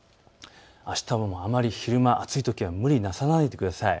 あしたは昼間、暑いときは無理なさらないでください。